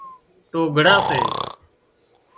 ٽوگھڙا سي